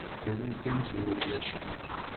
Terra-k amzun ulac-ik.